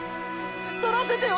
とらせてよ